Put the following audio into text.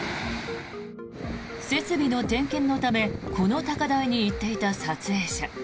設備の点検のためこの高台に行っていた撮影者。